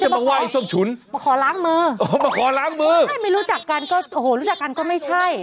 มาขอล้างมือเพราะไม่รู้จักกันก็โอ้โฮรู้จักกันก็ไม่ใช่